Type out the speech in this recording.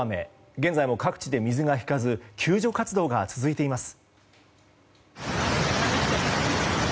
現在も各地で水が引かず救助活動が続いています。